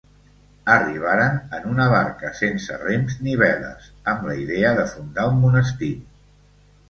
Arribaren en una barca sense rems ni veles, amb la idea de fundar un monestir.